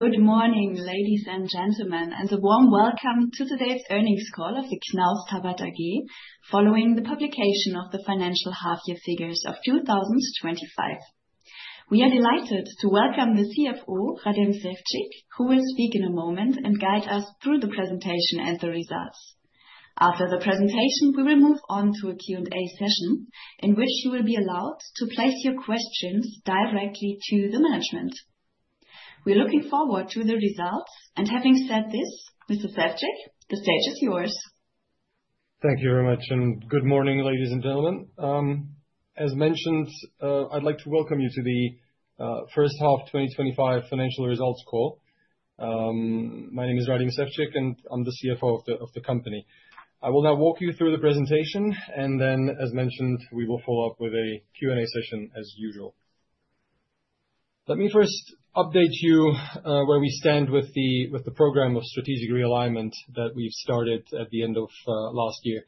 Good morning, ladies and gentlemen, and a warm welcome to today's earnings call of Knaus Tabbert AG following the publication of the financial half-year figures of 2025. We are delighted to welcome the CFO, Radim Sevcik, who will speak in a moment and guide us through the presentation and the results. After the presentation, we will move on to a Q&A session in which you will be allowed to place your questions directly to the management. We're looking forward to the results, and having said this, Mr. Sevcik, the stage is yours. Thank you very much, and good morning, ladies and gentlemen. As mentioned, I'd like to welcome you to the first half 2025 financial results call. My name is Radim Sevcik, and I'm the CFO of the company. I will now walk you through the presentation, and then, as mentioned, we will follow up with a Q&A session as usual. Let me first update you where we stand with the program of strategic realignment that we've started at the end of last year.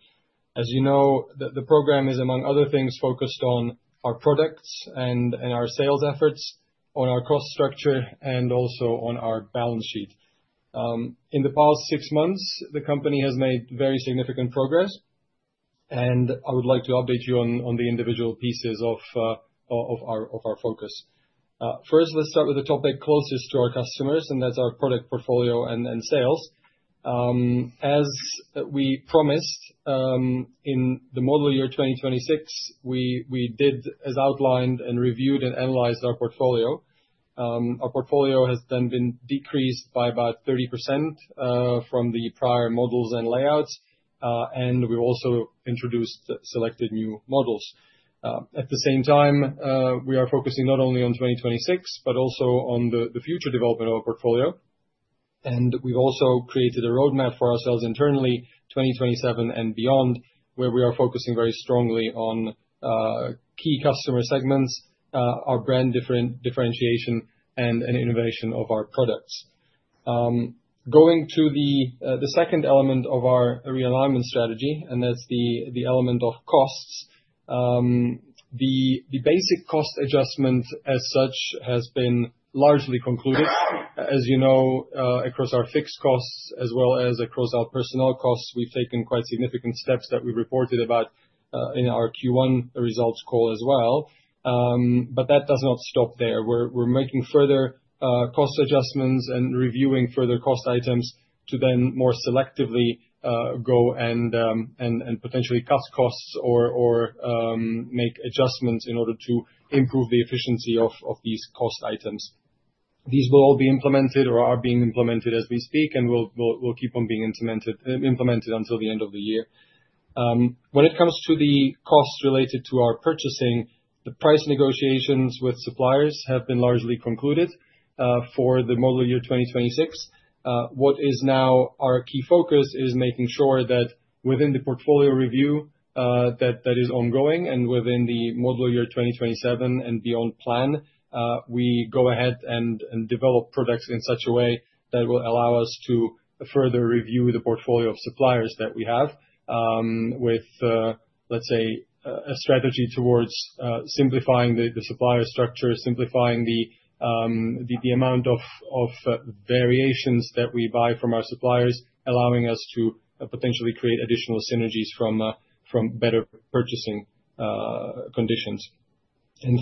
As you know, the program is, among other things, focused on our products and our sales efforts, on our cost structure, and also on our balance sheet. In the past six months, the company has made very significant progress, and I would like to update you on the individual pieces of our focus. First, let's start with the topic closest to our customers, and that's our product portfolio and sales. As we promised, in the model year 2026, we did, as outlined, and reviewed and analyzed our portfolio. Our portfolio has then been decreased by about 30% from the prior models and layouts, and we've also introduced selected new models. At the same time, we are focusing not only on 2026, but also on the future development of our portfolio, and we've also created a roadmap for ourselves internally, 2027 and beyond, where we are focusing very strongly on key customer segments, our brand differentiation, and innovation of our products. Going to the second element of our realignment strategy, and that's the element of costs. The basic cost adjustment, as such, has been largely concluded. As you know, across our fixed costs, as well as across our personnel costs, we've taken quite significant steps that we reported about in our Q1 results call as well. That does not stop there. We're making further cost adjustments and reviewing further cost items to then more selectively go and potentially cut costs or make adjustments in order to improve the efficiency of these cost items. These will all be implemented or are being implemented as we speak, and will keep on being implemented until the end of the year. When it comes to the costs related to our purchasing, the price negotiations with suppliers have been largely concluded for the model year 2026. What is now our key focus is making sure that within the portfolio review that is ongoing and within the model year 2027 and beyond plan, we go ahead and develop products in such a way that will allow us to further review the portfolio of suppliers that we have with, let's say, a strategy towards simplifying the supplier structure, simplifying the amount of variations that we buy from our suppliers, allowing us to potentially create additional synergies from better purchasing conditions.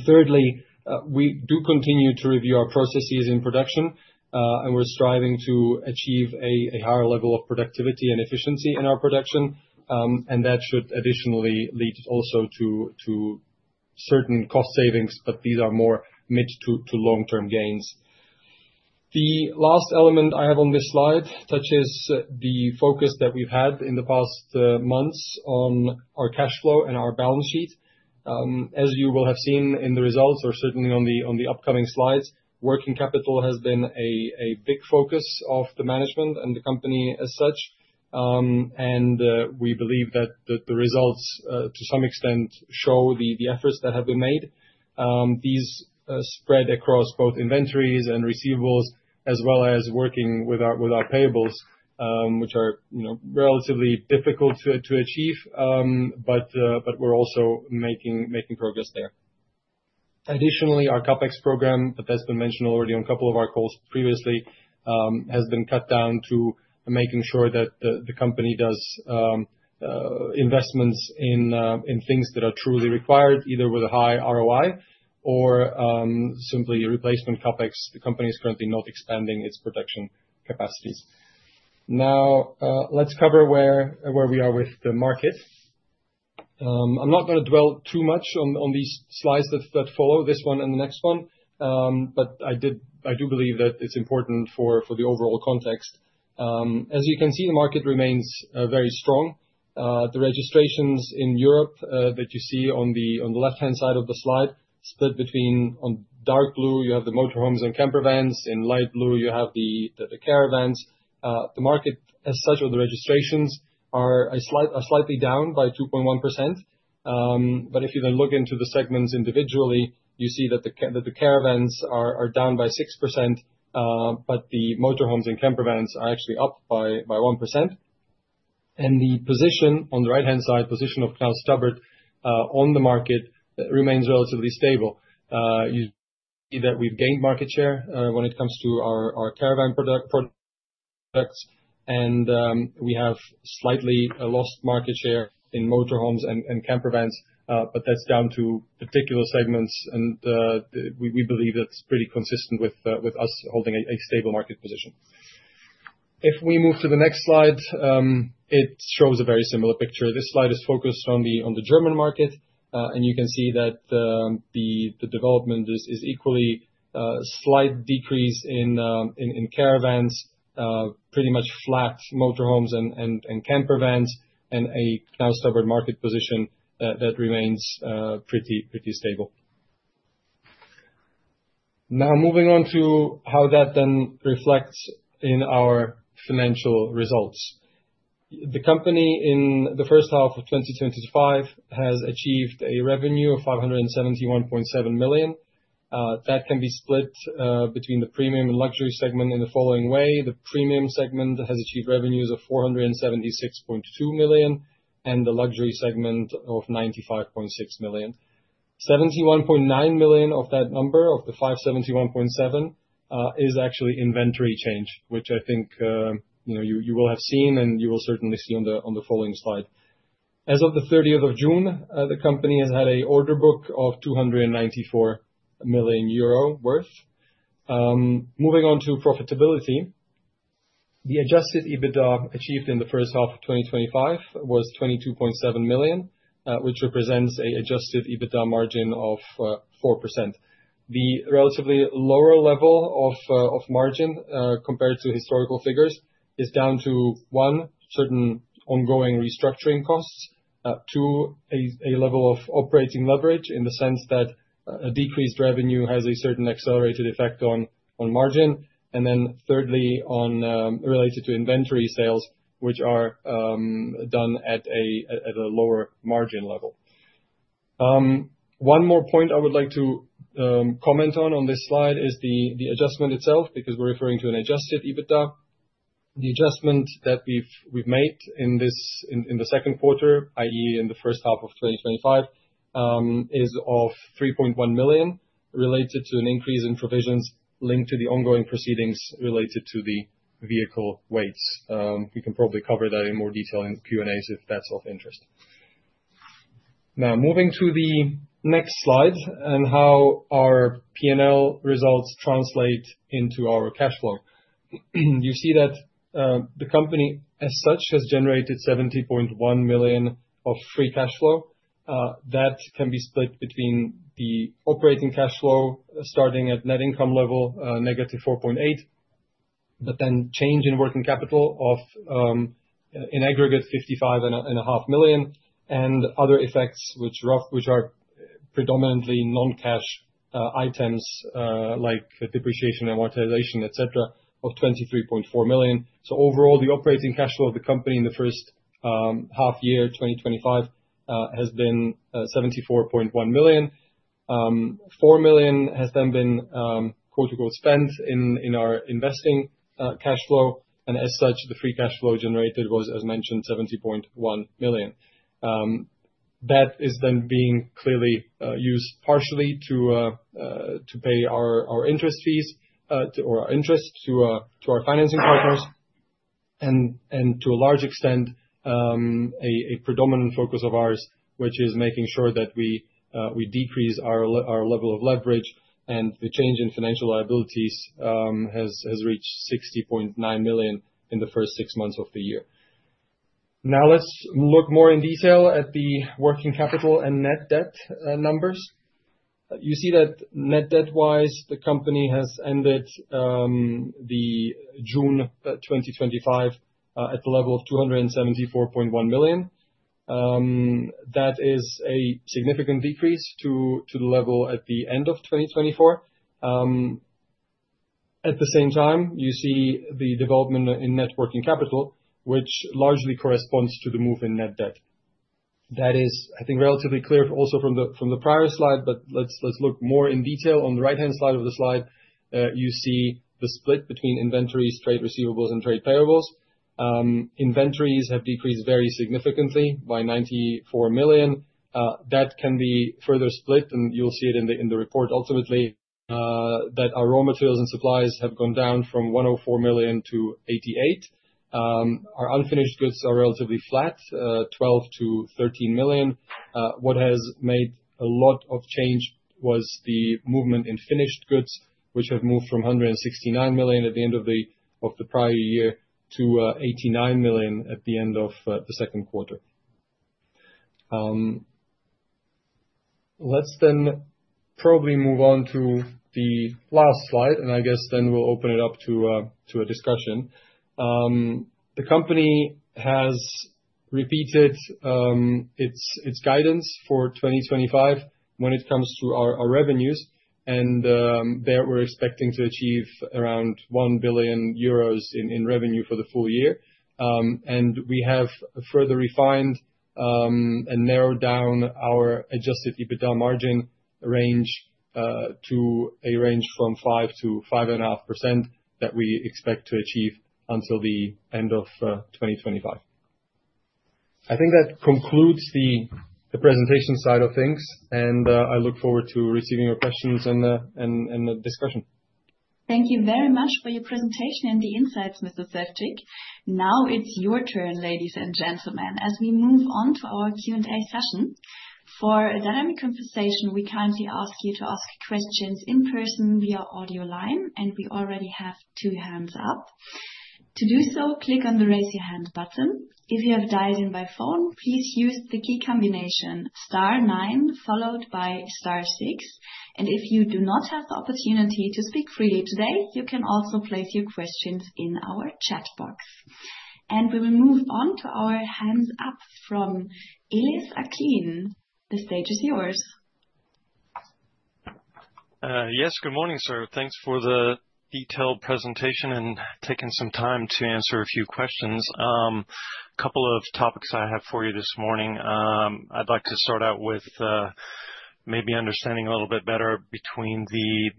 Thirdly, we do continue to review our processes in production, and we're striving to achieve a higher level of productivity and efficiency in our production, and that should additionally lead also to certain cost savings, but these are more mid-to-long-term gains. The last element I have on this slide touches the focus that we've had in the past months on our cash flow and our balance sheet. As you will have seen in the results or certainly on the upcoming slides, working capital has been a big focus of the management and the company as such, and we believe that the results to some extent show the efforts that have been made. These spread across both inventories and receivables, as well as working with our payables, which are relatively difficult to achieve, but we're also making progress there. Additionally, our CapEx program, that has been mentioned already on a couple of our calls previously, has been cut down to making sure that the company does investments in things that are truly required, either with a high ROI or simply replacement CapEx. The company is currently not expanding its production capacities. Now, let's cover where we are with the market. I'm not going to dwell too much on these slides that follow this one and the next one, but I do believe that it's important for the overall context. As you can see, the market remains very strong. The registrations in Europe that you see on the left-hand side of the slide split between on dark blue, you have the motorhomes and camper vans, in light blue, you have the caravans. The market as such or the registrations are slightly down by 2.1%, but if you then look into the segments individually, you see that the caravans are down by 6%, but the motorhomes and camper vans are actually up by 1%. The position on the right-hand side, position of Knaus Tabbert on the market remains relatively stable. You see that we've gained market share when it comes to our caravan products, and we have slightly lost market share in motorhomes and camper vans, but that's down to particular segments, and we believe that's pretty consistent with us holding a stable market position. If we move to the next slide, it shows a very similar picture. This slide is focused on the German market, and you can see that the development is equally a slight decrease in caravans, pretty much flat motorhomes and camper vans, and a Knaus Tabbert market position that remains pretty stable. Now, moving on to how that then reflects in our financial results. The company in the first half of 2025 has achieved a revenue of 571.7 million. That can be split between the premium and luxury segment in the following way: the premium segment has achieved revenues of 476.2 million, and the luxury segment of 95.6 million. 71.9 million of that number, of the 571.7 million, is actually inventory change, which I think you will have seen and you will certainly see on the following slide. As of the 30th of June, the company had had an order book of 294 million euro worth. Moving on to profitability, the adjusted EBITDA achieved in the first half of 2025 was 22.7 million, which represents an adjusted EBITDA margin of 4%. The relatively lower level of margin compared to historical figures is down to one, certain ongoing restructuring costs, two, a level of operating leverage in the sense that a decreased revenue has a certain accelerated effect on margin, and then thirdly, related to inventory sales, which are done at a lower margin level. One more point I would like to comment on on this slide is the adjustment itself because we're referring to an adjusted EBITDA. The adjustment that we've made in the second quarter, i.e., in the first half of 2025, is of 3.1 million related to an increase in provisions linked to the ongoing proceedings related to the vehicle weights. We can probably cover that in more detail in Q&As if that's of interest. Now, moving to the next slide and how our P&L results translate into our cash flow. You see that the company, as such, has generated 70.1 million of free cash flow. That can be split between the operating cash flow starting at net income level, negative 4.8 million, but then change in working capital of in aggregate 55.5 million, and other effects, which are predominantly non-cash items like depreciation, amortization, etc., of 23.4 million. Overall, the operating cash flow of the company in the first half year, 2025, has been 74.1 million. 4 million has then been "spent" in our investing cash flow, and as such, the free cash flow generated was, as mentioned, 70.1 million. That is then being clearly used partially to pay our interest fees or our interest to our financing partners, and to a large extent, a predominant focus of ours, which is making sure that we decrease our level of leverage, and the change in financial liabilities has reached 60.9 million in the first six months of the year. Now, let's look more in detail at the working capital and net debt numbers. You see that net debt-wise, the company has ended June 2025 at the level of 274.1 million. That is a significant decrease to the level at the end of 2024. At the same time, you see the development in net working capital, which largely corresponds to the move in net debt. That is, I think, relatively clear also from the prior slide, but let's look more in detail on the right-hand side of the slide. You see the split between inventories, trade receivables, and trade payables. Inventories have decreased very significantly by 94 million. That can be further split, and you'll see it in the report ultimately, that our raw materials and supplies have gone down from 104 million to 88 million. Our unfinished goods are relatively flat, 12 million to 13 million. What has made a lot of change was the movement in finished goods, which have moved from 169 million at the end of the prior year to 89 million at the end of the second quarter. Let's then probably move on to the last slide, and I guess then we'll open it up to a discussion. The company has repeated its guidance for 2025 when it comes to our revenues, and there we're expecting to achieve around 1 billion euros in revenue for the full year. We have further refined and narrowed down our adjusted EBITDA margin range to a range from 5%-5.5% that we expect to achieve until the end of 2025. I think that concludes the presentation side of things, and I look forward to receiving your questions and the discussion. Thank you very much for your presentation and the insights, Mr. Sevcik. Now it's your turn, ladies and gentlemen, as we move on to our Q&A session. For dynamic conversation, we kindly ask you to ask questions in person via audio line, and we already have two hands up. To do so, click on the raise your hand button. If you have dialed in by phone, please use the key combination star nine followed by star six. If you do not have the opportunity to speak freely today, you can also place your questions in our chat box. We will move on to our hands up from Ilyas Akin. The stage is yours. Yes, good morning, sir. Thanks for the detailed presentation and taking some time to answer a few questions. A couple of topics I have for you this morning. I'd like to start out with maybe understanding a little bit better between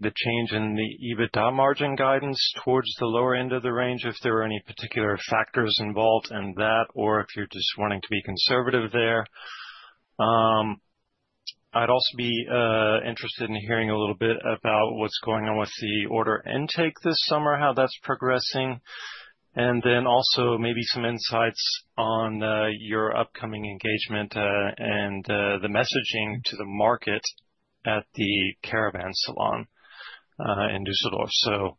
the change in the EBITDA margin guidance towards the lower end of the range, if there are any particular factors involved in that, or if you're just wanting to be conservative there. I'd also be interested in hearing a little bit about what's going on with the order intake this summer, how that's progressing, and then also maybe some insights on your upcoming engagement and the messaging to the market at the CARAVAN SALON in Düsseldorf.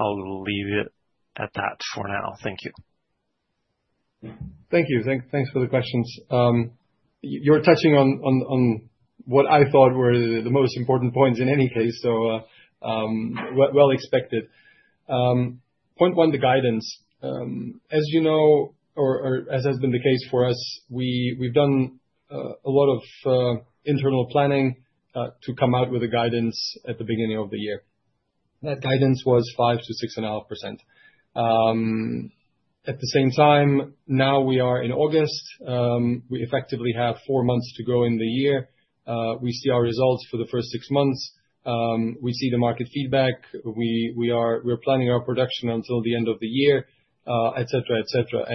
I'll leave it at that for now. Thank you. Thank you. Thanks for the questions. You're touching on what I thought were the most important points in any case, so well expected. Point one, the guidance. As you know, or as has been the case for us, we've done a lot of internal planning to come out with a guidance at the beginning of the year. That guidance was 5%-6.5%. At the same time, now we are in August. We effectively have four months to go in the year. We see our results for the first six months. We see the market feedback. We are planning our production until the end of the year, etc., etc.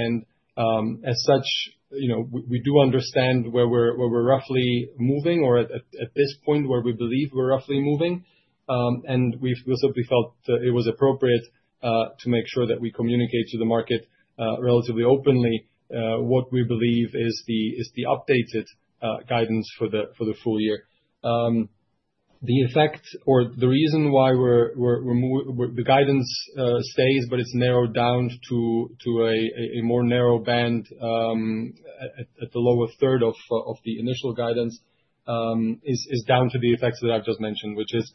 As such, we do understand where we're roughly moving or at this point where we believe we're roughly moving. We've simply felt it was appropriate to make sure that we communicate to the market relatively openly what we believe is the updated guidance for the full year. The effect or the reason why the guidance stays, but it's narrowed down to a more narrow band at the lower third of the initial guidance, is down to the effects that I've just mentioned, which is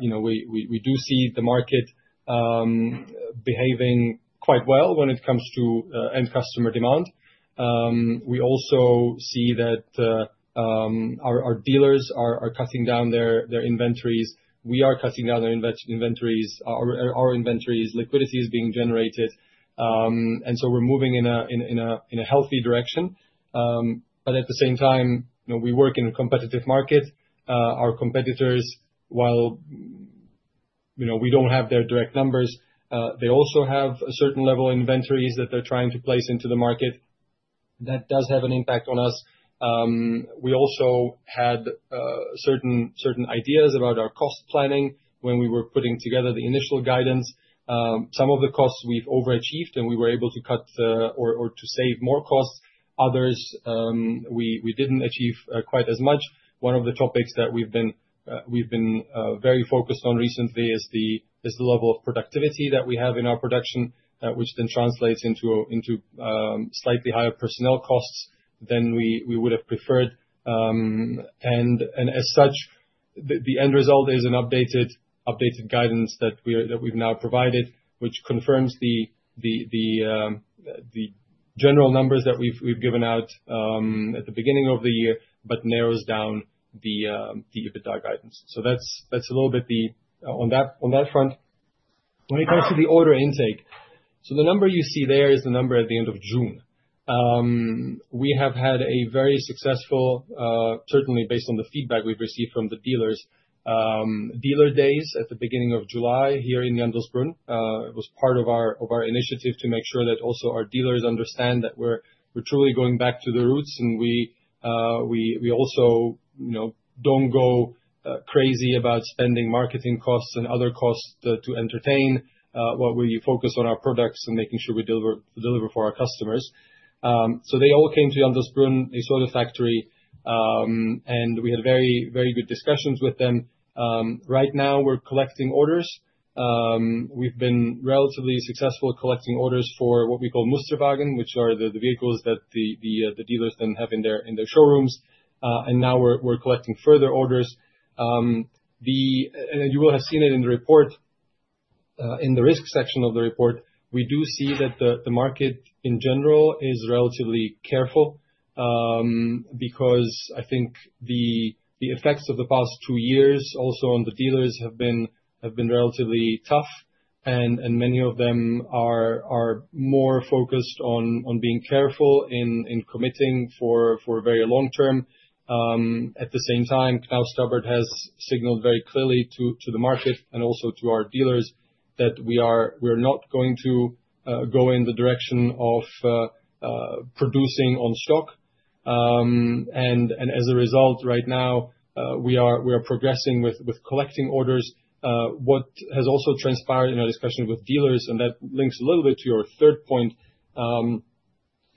we do see the market behaving quite well when it comes to end customer demand. We also see that our dealers are cutting down their inventories. We are cutting down our inventories. Our inventories' liquidity is being generated. We're moving in a healthy direction. At the same time, we work in a competitive market. Our competitors, while we don't have their direct numbers, they also have a certain level of inventories that they're trying to place into the market. That does have an impact on us. We also had certain ideas about our cost planning when we were putting together the initial guidance. Some of the costs we've overachieved and we were able to cut or to save more costs. Others we didn't achieve quite as much. One of the topics that we've been very focused on recently is the level of productivity that we have in our production, which then translates into slightly higher personnel costs than we would have preferred. As such, the end result is an updated guidance that we've now provided, which confirms the general numbers that we've given out at the beginning of the year, but narrows down the EBITDA guidance. That's a little bit on that front. When it comes to the order intake, the number you see there is the number at the end of June. We have had a very successful, certainly based on the feedback we've received from the dealers, dealer days at the beginning of July here in Jandelsbrunn. It was part of our initiative to make sure that also our dealers understand that we're truly going back to the roots, and we also don't go crazy about spending marketing costs and other costs to entertain, while we focus on our products and making sure we deliver for our customers. They all came to Jandelsbrunn. They saw the factory, and we had very, very good discussions with them. Right now, we're collecting orders. We've been relatively successful collecting orders for what we call Musterwagen, which are the vehicles that the dealers then have in their showrooms. Now we're collecting further orders. You will have seen it in the report. In the risk section of the report, we do see that the market in general is relatively careful because I think the effects of the past two years also on the dealers have been relatively tough, and many of them are more focused on being careful in committing for very long term. At the same time, Knaus Tabbert has signaled very clearly to the market and also to our dealers that we are not going to go in the direction of producing on stock. As a result, right now, we are progressing with collecting orders. What has also transpired in our discussion with dealers, and that links a little bit to your third point, is that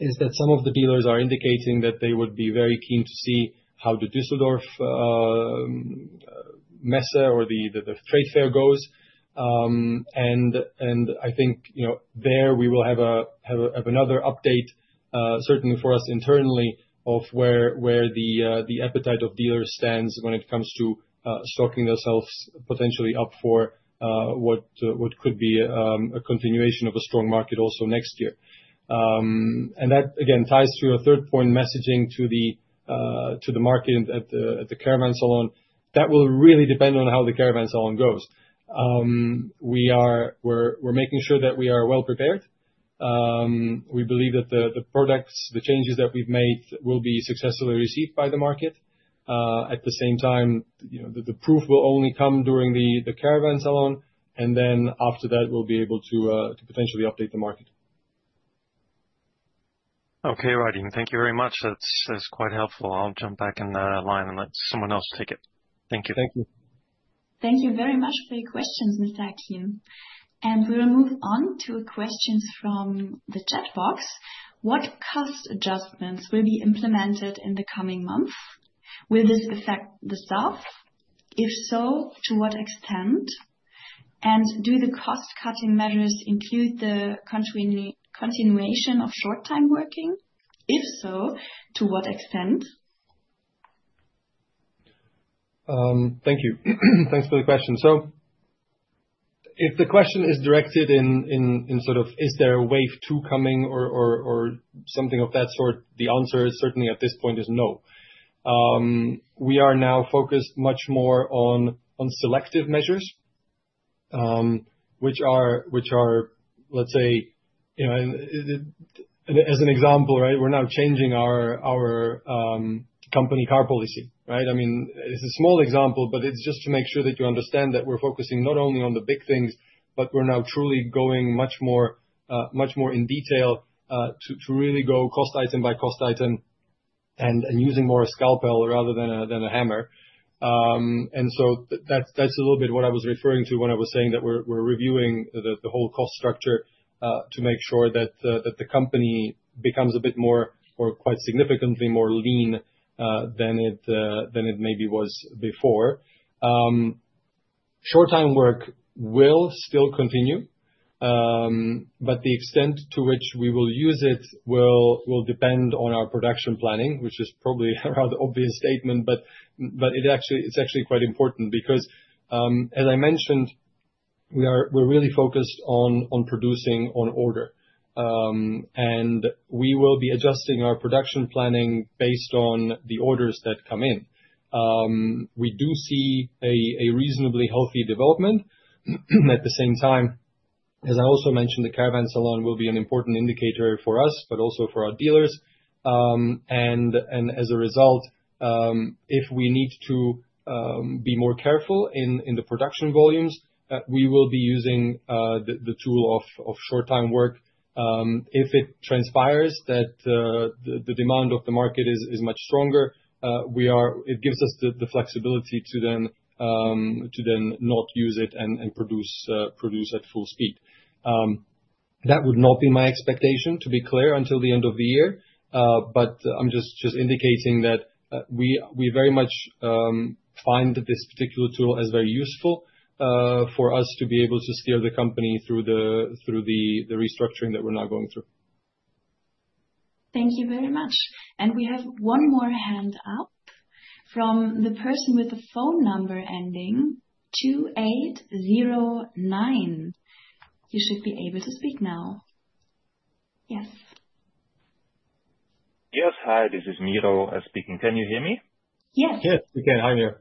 some of the dealers are indicating that they would be very keen to see how the Düsseldorf Messe or the trade fair goes. I think there we will have another update, certainly for us internally, of where the appetite of dealers stands when it comes to stocking themselves potentially up for what could be a continuation of a strong market also next year. That, again, ties to your third point, messaging to the market at the CARAVAN SALON. That will really depend on how the CARAVAN SALON goes. We're making sure that we are well prepared. We believe that the products, the changes that we've made, will be successfully received by the market. At the same time, the proof will only come during the CARAVAN SALON, and then after that, we'll be able to potentially update the market. Okay, Radim, thank you very much. That's quite helpful. I'll jump back in the line and let someone else take it. Thank you. Thank you. Thank you very much for your questions, Mr. Akin. We will move on to questions from the chat box. What cost adjustments will be implemented in the coming month? Will this affect the south? If so, to what extent? Do the cost-cutting measures include the continuation of short-time work? If so, to what extent? Thank you. Thanks for the question. If the question is directed in sort of, is there a wave two coming or something of that sort, the answer certainly at this point is no. We are now focused much more on selective measures, which are, let's say, as an example, we're now changing our company car policy. I mean, it's a small example, but it's just to make sure that you understand that we're focusing not only on the big things, but we're now truly going much more in detail to really go cost item by cost item and using more a scalpel rather than a hammer. That's a little bit what I was referring to when I was saying that we're reviewing the whole cost structure to make sure that the company becomes a bit more, or quite significantly more lean than it maybe was before. Short-time work will still continue, but the extent to which we will use it will depend on our production planning, which is probably a rather obvious statement, but it's actually quite important because, as I mentioned, we're really focused on producing on order. We will be adjusting our production planning based on the orders that come in. We do see a reasonably healthy development. At the same time, as I also mentioned, the CARAVAN SALON will be an important indicator for us, but also for our dealers. As a result, if we need to be more careful in the production volumes, we will be using the tool of short-time work. If it transpires that the demand of the market is much stronger, it gives us the flexibility to then not use it and produce at full speed. That would not be my expectation, to be clear, until the end of the year, but I'm just indicating that we very much find this particular tool as very useful for us to be able to steer the company through the restructuring that we're now going through. Thank you very much. We have one more hand up from the person with the phone number ending 2809. You should be able to speak now. Yes. Yes, hi, this is Miro speaking. Can you hear me? Yes. Yes, we can. Hi, Miro.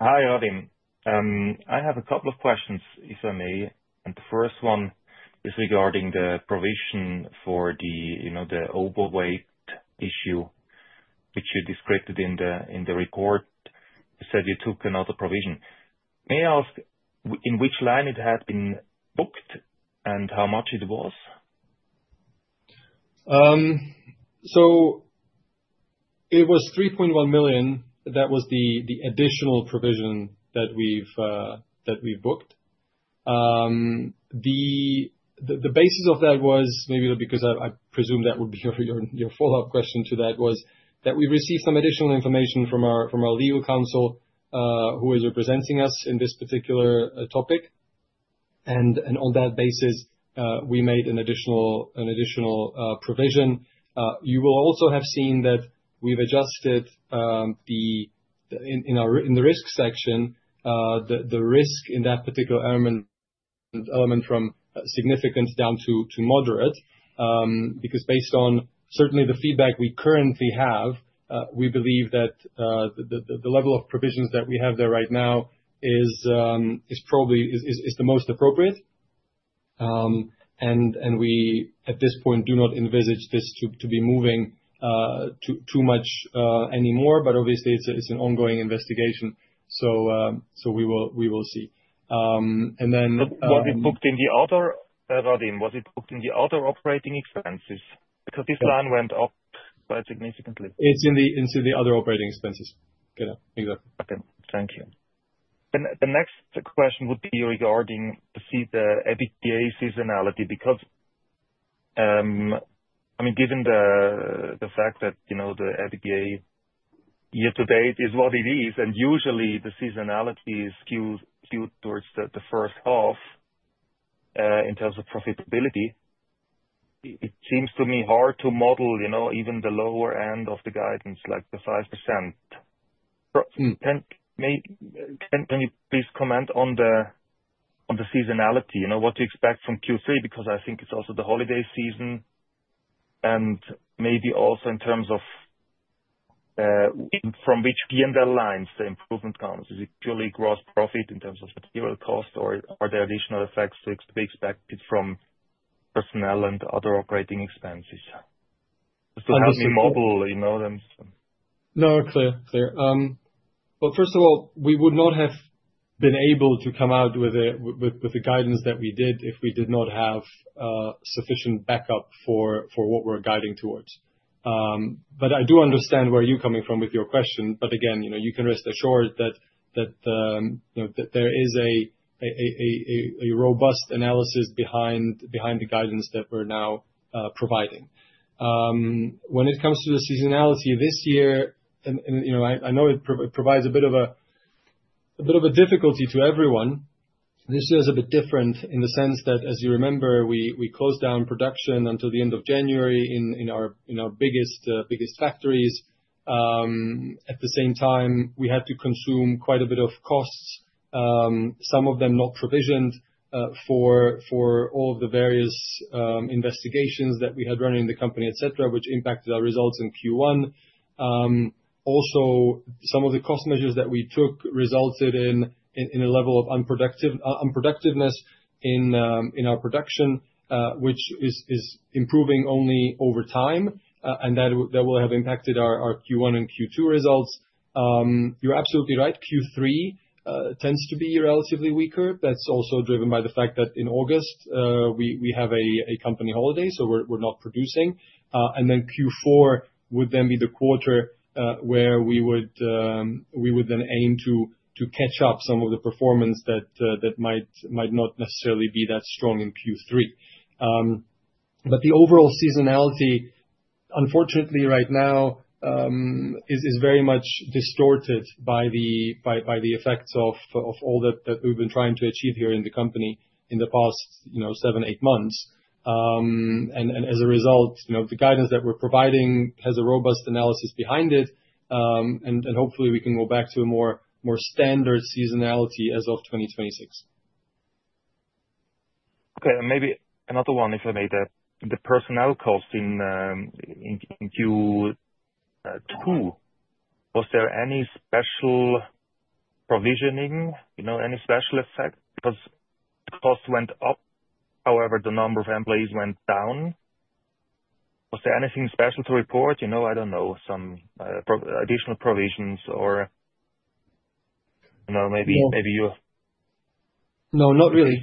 Hi, Radim. I have a couple of questions, if I may. The first one is regarding the provision for the overweight issue, which you described in the report. You said you took another provision. May I ask in which line it had been booked and how much it was? It was 3.1 million. That was the additional provision that we've booked. The basis of that was maybe because I presume that would be your follow-up question to that, was that we received some additional information from our legal counsel, who is representing us in this particular topic. On that basis, we made an additional provision. You will also have seen that we've adjusted in the risk section the risk in that particular element from significance down to moderate because, based on certainly the feedback we currently have, we believe that the level of provisions that we have there right now is probably the most appropriate. We at this point do not envisage this to be moving too much anymore, but obviously, it's an ongoing investigation. We will see. Was it booked in the other, Radim, was it booked in the other operating expenses? Because this line went up quite significantly. It's in the other operating expenses. Okay. Thank you. The next question would be regarding the EBITDA seasonality because, I mean, given the fact that the EBITDA year-to-date is what it is, and usually, the seasonality is skewed towards the first half in terms of profitability, it seems to me hard to model, you know, even the lower end of the guidance, like the 5%. Can you please comment on the seasonality? You know, what to expect from Q3 because I think it's also the holiday season. Maybe also in terms of from which P&L lines the improvement comes. Is it purely gross profit in terms of material cost, or are there additional effects to expect from personnel and other operating expenses? Just to help me model. No, clear. First of all, we would not have been able to come out with the guidance that we did if we did not have sufficient backup for what we're guiding towards. I do understand where you're coming from with your question. You can rest assured that there is a robust analysis behind the guidance that we're now providing. When it comes to the seasonality this year, I know it provides a bit of a difficulty to everyone. This year is a bit different in the sense that, as you remember, we closed down production until the end of January in our biggest factories. At the same time, we had to consume quite a bit of costs, some of them not provisioned for all of the various investigations that we had running in the company, etc., which impacted our results in Q1. Also, some of the cost measures that we took resulted in a level of unproductiveness in our production, which is improving only over time, and that will have impacted our Q1 and Q2 results. You're absolutely right. Q3 tends to be relatively weaker. That's also driven by the fact that in August, we have a company holiday, so we're not producing. Q4 would then be the quarter where we would then aim to catch up some of the performance that might not necessarily be that strong in Q3. The overall seasonality, unfortunately, right now is very much distorted by the effects of all that we've been trying to achieve here in the company in the past seven, eight months. As a result, the guidance that we're providing has a robust analysis behind it. Hopefully, we can go back to a more standard seasonality as of 2026. Okay. Maybe another one, if I may, the personnel cost in Q2, was there any special provisioning? Any special effect? Because costs went up. However, the number of employees went down. Was there anything special to report? I don't know, some additional provisions or maybe your. No, not really.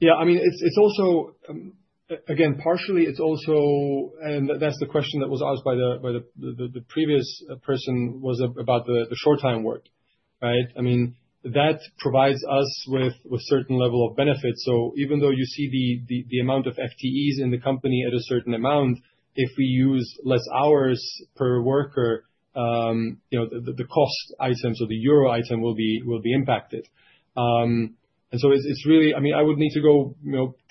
It's also, again, partially, and that's the question that was asked by the previous person, about the short-time work, right? That provides us with a certain level of benefits. Even though you see the amount of FTEs in the company at a certain amount, if we use fewer hours per worker, the cost items or the euro item will be impacted. I would need to go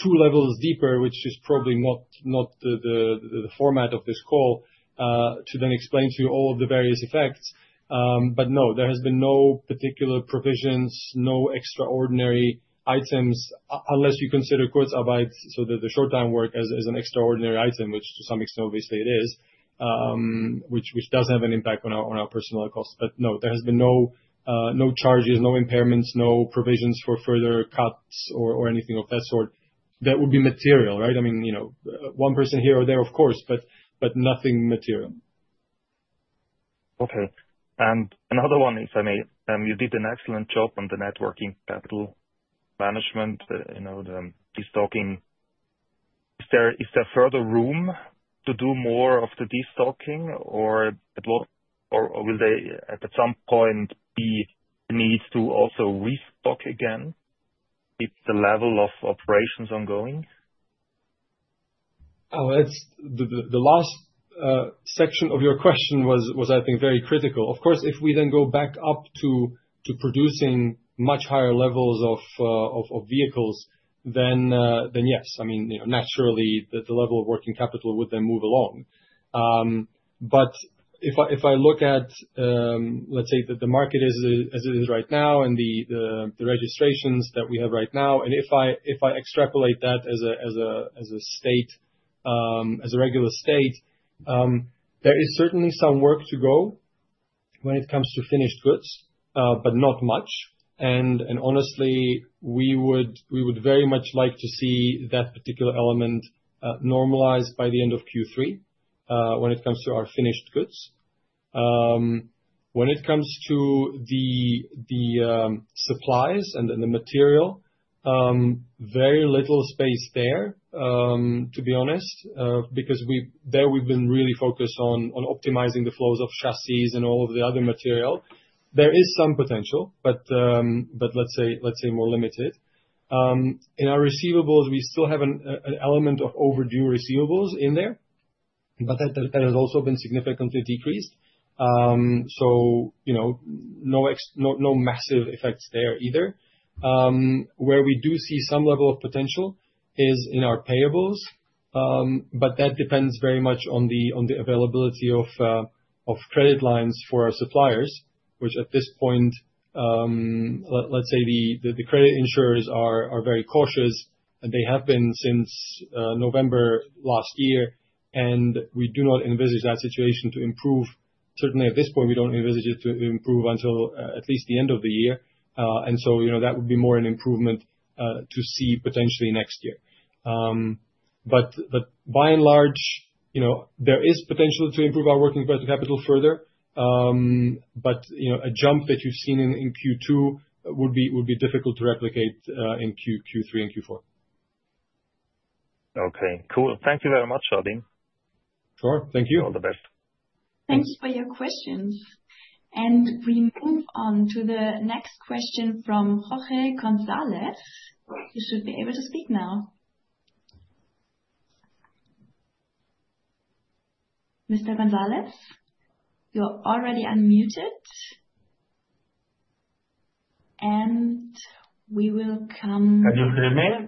two levels deeper, which is probably not the format of this call, to explain to you all of the various effects. No, there have been no particular provisions, no extraordinary items unless you consider short-time work as an extraordinary item, which to some extent, obviously, it is, which does have an impact on our personnel costs. No, there have been no charges, no impairments, no provisions for further cuts or anything of that sort that would be material. One person here or there, of course, but nothing material. Okay. Another one, if I may, you did an excellent job on the working capital management, the destocking. Is there further room to do more of the destocking, or will there at some point be the need to also restock again if the level of operations is ongoing? Oh, the last section of your question was, I think, very critical. Of course, if we then go back up to producing much higher levels of vehicles, then yes, I mean, naturally, the level of working capital would then move along. If I look at, let's say, that the market is as it is right now and the registrations that we have right now, and if I extrapolate that as a state, as a regular state, there is certainly some work to go when it comes to finished goods, but not much. Honestly, we would very much like to see that particular element normalized by the end of Q3 when it comes to our finished goods. When it comes to the supplies and the material, very little space there, to be honest, because we've been really focused on optimizing the flows of chassis and all of the other material. There is some potential, but let's say more limited. In our receivables, we still have an element of overdue receivables in there, but that has also been significantly decreased. No massive effects there either. Where we do see some level of potential is in our payables, but that depends very much on the availability of credit lines for our suppliers, which at this point, let's say the credit insurers are very cautious, and they have been since November last year. We do not envisage that situation to improve. Certainly, at this point, we don't envisage it to improve until at least the end of the year. That would be more an improvement to see potentially next year. By and large, there is potential to improve our working capital further. A jump that you've seen in Q2 would be difficult to replicate in Q3 and Q4. Okay. Cool. Thank you very much, Radim. Sure. Thank you. All the best. Thanks for your questions. We move on to the next question from Jorge Gonzalez. You should be able to speak now. Mr. Gonzalez, you're already unmuted. We will come. Can you hear me?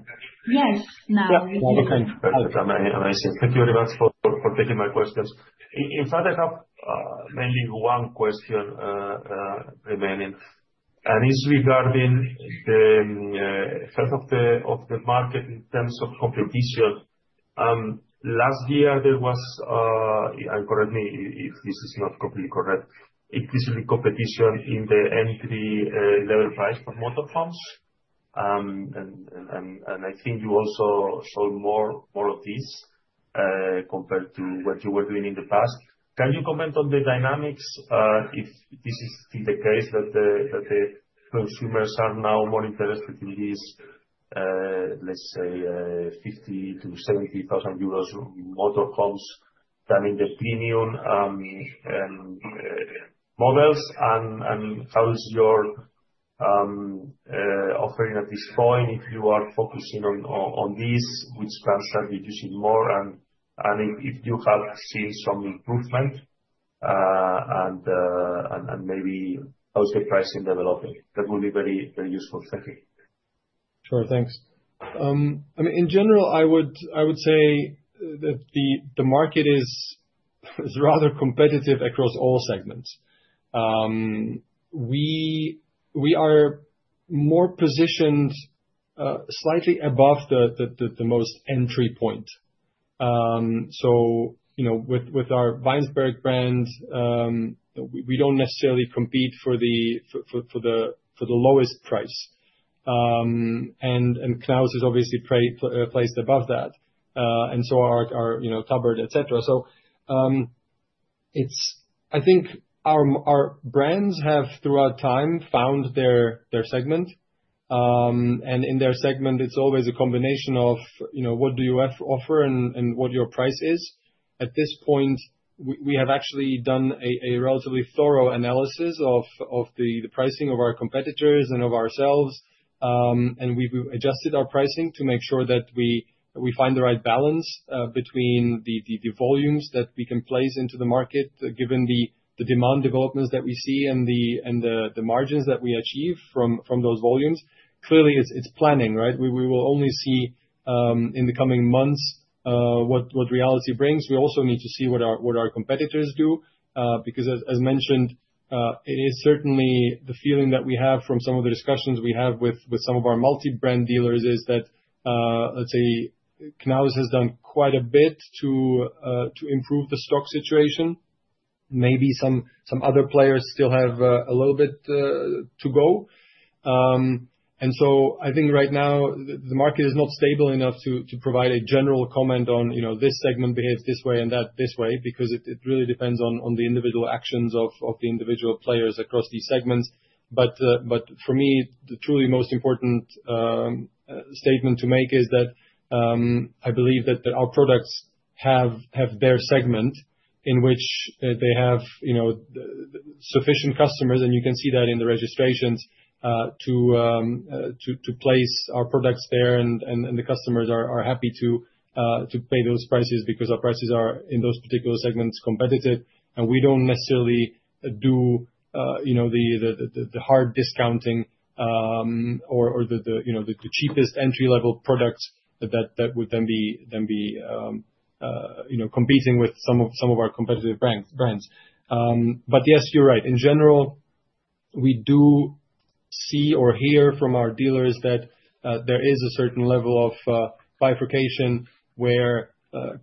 Yes, now you can. Okay. Perfect. I'm analyzing. Thank you very much for taking my questions. In fact, I have mainly one question remaining. It's regarding the health of the market in terms of competition. Last year, there was, and correct me if this is not completely correct, increasing competition in the entry-level price for motorhomes. I think you also saw more of this compared to what you were doing in the past. Can you comment on the dynamics if this is still the case that the consumers are now more interested in these, let's say, 50,000-70,000 euros motorhomes than in the premium models? How is your offering at this point if you are focusing on this, which plans are reducing more? If you have seen some improvement and maybe how is the pricing developing? That would be very, very useful for me. Sure. Thanks. I mean, in general, I would say that the market is rather competitive across all segments. We are more positioned slightly above the most entry point. You know, with our WEINSBERG brand, we don't necessarily compete for the lowest price. KNAUS is obviously placed above that, and so are TABBERT, etc. I think our brands have throughout time found their segment. In their segment, it's always a combination of what you offer and what your price is. At this point, we have actually done a relatively thorough analysis of the pricing of our competitors and of ourselves. We've adjusted our pricing to make sure that we find the right balance between the volumes that we can place into the market given the demand developments that we see and the margins that we achieve from those volumes. Clearly, it's planning, right? We will only see in the coming months what reality brings. We also need to see what our competitors do because, as mentioned, it is certainly the feeling that we have from some of the discussions we have with some of our multi-brand dealers that, let's say, KNAUS has done quite a bit to improve the stock situation. Maybe some other players still have a little bit to go. I think right now the market is not stable enough to provide a general comment on, you know, this segment behaves this way and that this way because it really depends on the individual actions of the individual players across these segments. For me, the truly most important statement to make is that I believe that our products have their segment in which they have, you know, sufficient customers, and you can see that in the registrations, to place our products there. The customers are happy to pay those prices because our prices are in those particular segments competitive. We don't necessarily do, you know, the hard discounting or the cheapest entry-level products that would then be competing with some of our competitive brands. Yes, you're right. In general, we do see or hear from our dealers that there is a certain level of bifurcation where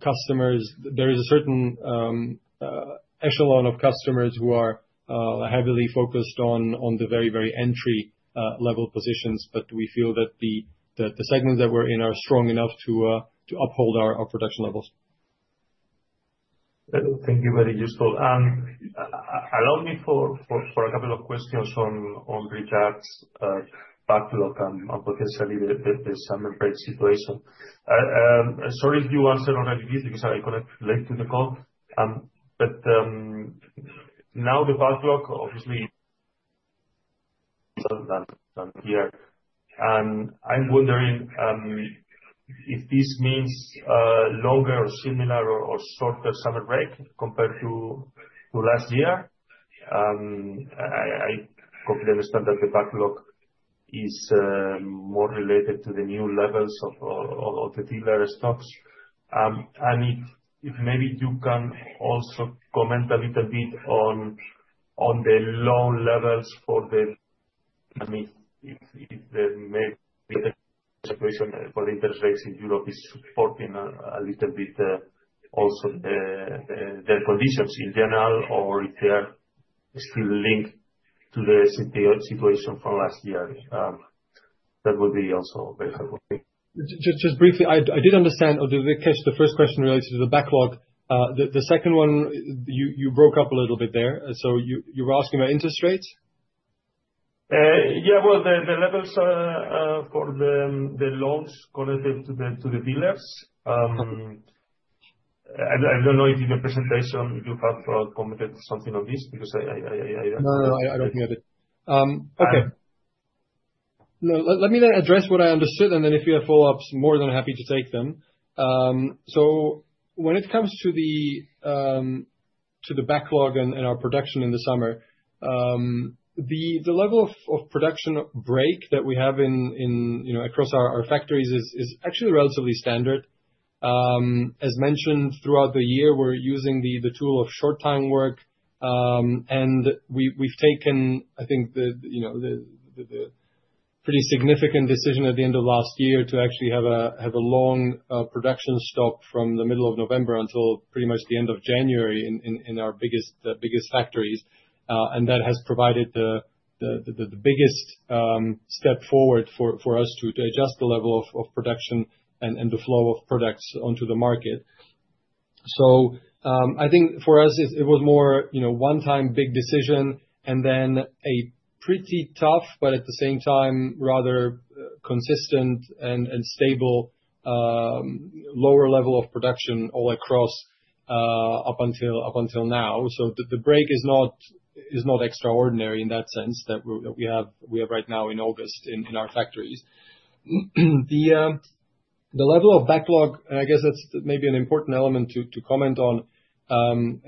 customers, there is a certain echelon of customers who are heavily focused on the very, very entry-level positions. We feel that the segments that we're in are strong enough to uphold our production levels. Thank you. Very useful. I have a couple of questions on Tabbert's backlog and potentially the summer break situation. Sorry if you answered on an EBITDA because I connected late to the call. Now the backlog obviously is done here. I'm wondering if this means a longer, similar, or shorter summer break compared to last year. I completely understand that the backlog is more related to the new levels of the dealer stocks. If maybe you can also comment a little bit on the low levels for the, I mean, if the main situation for the interface in Europe is supporting a little bit also their conditions in general or if they are still linked to the situation from last year. That would be also very helpful. Just briefly, did we catch the first question related to the backlog? The second one, you broke up a little bit there. You were asking about interest rates? Yeah. The levels for the loans collected to the dealers, I don't know if in the presentation you have commented something of this because I. No, I don't hear that. Okay. Let me address what I understood, and if you have follow-ups, more than happy to take them. When it comes to the backlog and our production in the summer, the level of production break that we have across our factories is actually relatively standard. As mentioned, throughout the year, we're using the tool of short-time work. We've taken, I think, the pretty significant decision at the end of last year to actually have a long production stop from the middle of November until pretty much the end of January in our biggest factories. That has provided the biggest step forward for us to adjust the level of production and the flow of products onto the market. For us, it was more a one-time big decision and then a pretty tough, but at the same time, rather consistent and stable lower level of production all across up until now. The break is not extraordinary in that sense that we have right now in August in our factories. The level of backlog, I guess that's maybe an important element to comment on.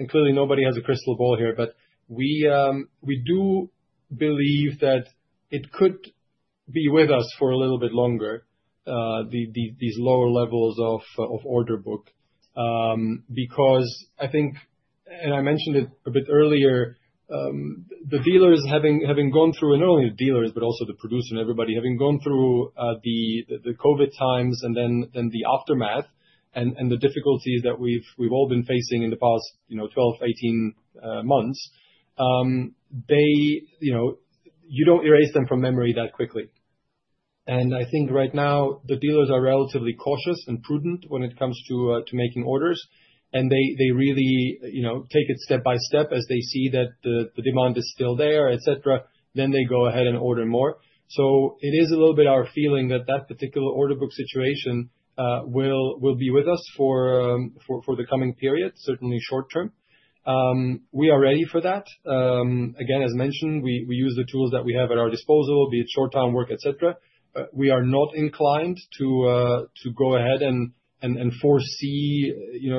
Clearly, nobody has a crystal ball here, but we do believe that it could be with us for a little bit longer, these lower levels of order book. I think, and I mentioned it a bit earlier, the dealers having gone through, not only the dealers, but also the producing and everybody having gone through the COVID times and then the aftermath and the difficulties that we've all been facing in the past 12 months, 18 months, you don't erase them from memory that quickly. Right now, the dealers are relatively cautious and prudent when it comes to making orders. They really take it step by step as they see that the demand is still there, etc. They go ahead and order more. It is a little bit our feeling that that particular order book situation will be with us for the coming period, certainly short term. We are ready for that. Again, as mentioned, we use the tools that we have at our disposal, be it short-time work, etc. We are not inclined to go ahead and foresee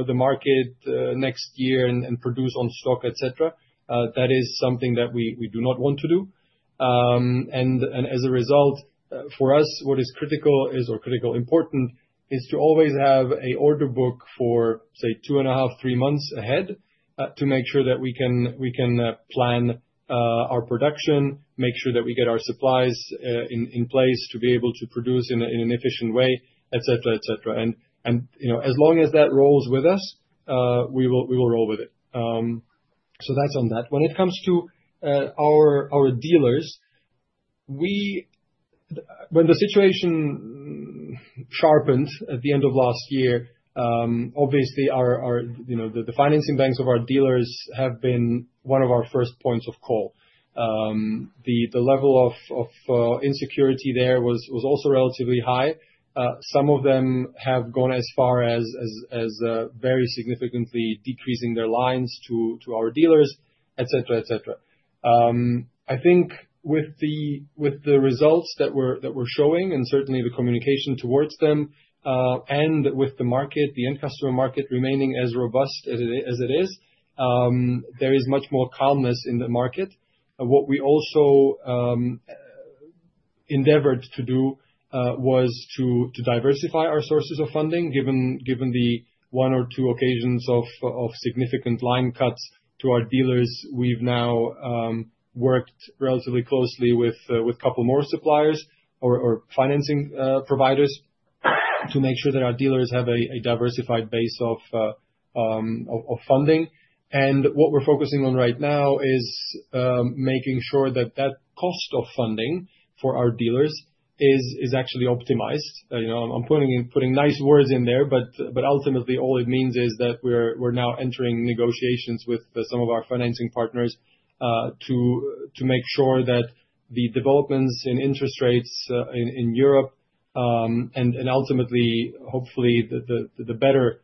the market next year and produce on stock, etc. That is something that we do not want to do. As a result, for us, what is critical or critically important is to always have an order book for, say, two and a half, three months ahead to make sure that we can plan our production, make sure that we get our supplies in place to be able to produce in an efficient way, etc., etc. As long as that rolls with us, we will roll with it. That's on that. When it comes to our dealers, when the situation sharpened at the end of last year, obviously, the financing banks of our dealers have been one of our first points of call. The level of insecurity there was also relatively high. Some of them have gone as far as very significantly decreasing their lines to our dealers, etc. I think with the results that we're showing and certainly the communication towards them and with the market, the end customer market remaining as robust as it is, there is much more calmness in the market. What we also endeavored to do was to diversify our sources of funding, given the one or two occasions of significant line cuts to our dealers. We've now worked relatively closely with a couple more suppliers or financing providers to make sure that our dealers have a diversified base of funding. What we're focusing on right now is making sure that the cost of funding for our dealers is actually optimized. I'm putting nice words in there, but ultimately, all it means is that we're now entering negotiations with some of our financing partners to make sure that the developments in interest rates in Europe and ultimately, hopefully, the better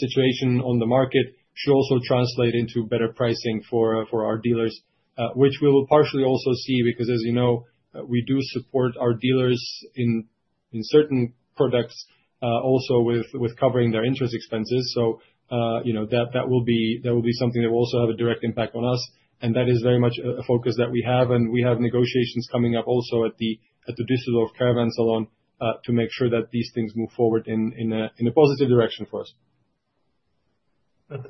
situation on the market should also translate into better pricing for our dealers, which we will partially also see because, as you know, we do support our dealers in certain products also with covering their interest expenses. That will be something that will also have a direct impact on us. That is very much a focus that we have. We have negotiations coming up also at the Düsseldorf CARAVAN SALON to make sure that these things move forward in a positive direction for us.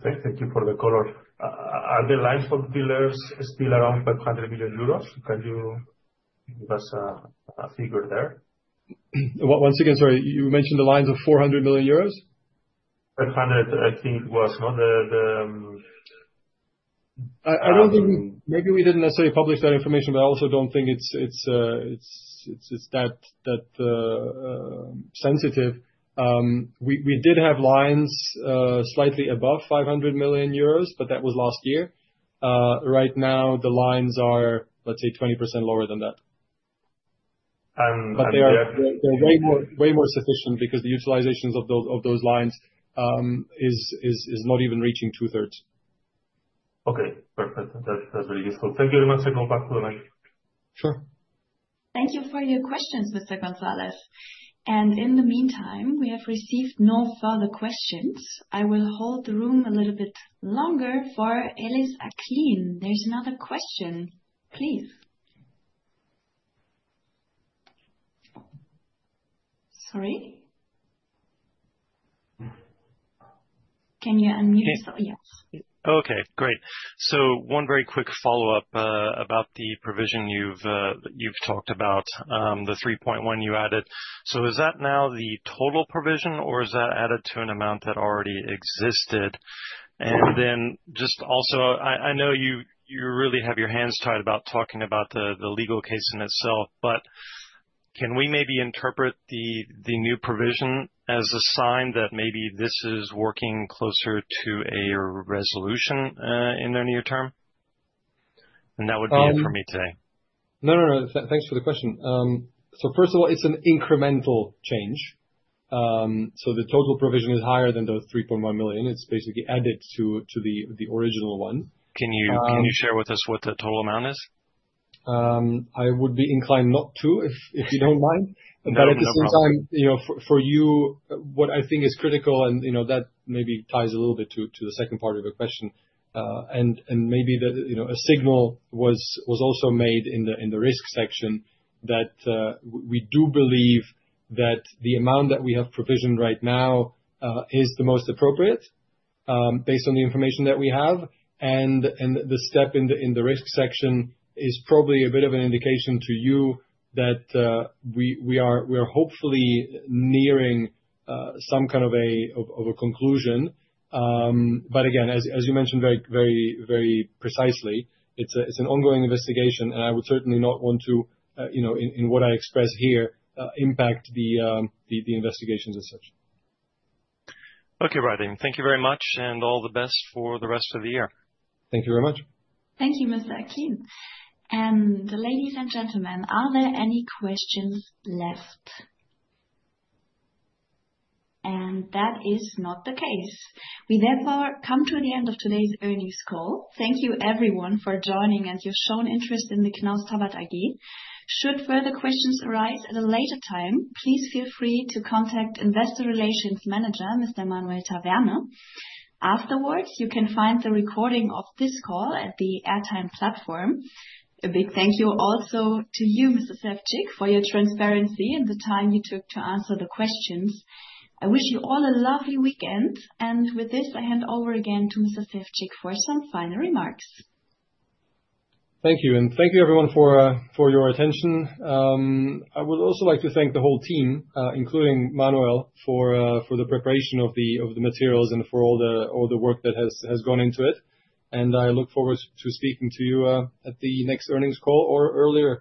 Thank you for the call. Are the lines for dealers still around 500 million euros? Can you give us a figure there? Sorry. You mentioned the lines of 400 million euros? 500, I think it was. I don't think maybe we didn't necessarily publish that information, but I also don't think it's that sensitive. We did have lines slightly above 500 million euros, but that was last year. Right now, the lines are, let's say, 20% lower than that. They're way more sufficient because the utilizations of those lines are not even reaching two-thirds. Okay. Perfect. That's very useful. Thank you very much. Sure. Thank you for your questions, Mr. González. In the meantime, we have received no further questions. I will hold the room a little bit longer for Ellis Acklin. There's another question. Please. Sorry. Can you unmute? Yes. Yes. Okay. Great. One very quick follow-up about the provision you've talked about, the 3.1 million you added. Is that now the total provision, or is that added to an amount that already existed? I know you really have your hands tied about talking about the legal case in itself, but can we maybe interpret the new provision as a sign that maybe this is working closer to a resolution in the near term? That would be it for me today. Thanks for the question. First of all, it's an incremental change. The total provision is higher than those 3.1 million. It's basically added to the original one. Can you share with us what the total amount is? I would be inclined not to, if you don't mind. At the same time, for you, what I think is critical, and that maybe ties a little bit to the second part of your question. Maybe a signal was also made in the risk section that we do believe that the amount that we have provisioned right now is the most appropriate based on the information that we have. The step in the risk section is probably a bit of an indication to you that we are hopefully nearing some kind of a conclusion. As you mentioned very, very, very precisely, it's an ongoing investigation. I would certainly not want to, in what I express here, impact the investigations as such. Okay, Radim, thank you very much. All the best for the rest of the year. Thank you very much. Thank you, Mr. Akin. Ladies and gentlemen, are there any questions left? That is not the case. We therefore come to the end of today's earnings call. Thank you, everyone, for joining and your shown interest in Knaus Tabbert AG. Should further questions arise at a later time, please feel free to contact Investor Relations Manager, Mr. Manuel Taverne. Afterwards, you can find the recording of this call at the AirTime platform. A big thank you also to you, Mr. Sevcik, for your transparency and the time you took to answer the questions. I wish you all a lovely weekend. With this, I hand over again to Mr. Sevcik for some final remarks. Thank you. Thank you, everyone, for your attention. I would also like to thank the whole team, including Manuel, for the preparation of the materials and for all the work that has gone into it. I look forward to speaking to you at the next earnings call or earlier.